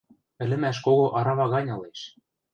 Ӹлӹмӓш кого арава гань ылеш.